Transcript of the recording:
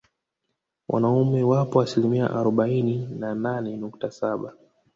Wanaume wapo asilimia arobaini na nane nukta saba